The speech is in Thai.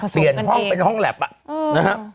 เปลี่ยนห้องเป็นห้องแลปอ่ะนะฮะ